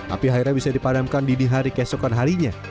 api akhirnya bisa dipadamkan di dihari keesokan harinya